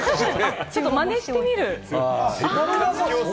ちょっとマネしてみる。